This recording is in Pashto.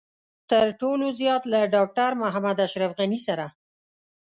تر ټولو زيات له ډاکټر محمد اشرف غني سره.